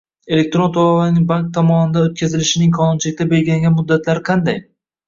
Elektron to‘lovlarning bank tomonidan o‘tkazilishining qonunchilikda belgilangan muddatlari qanday?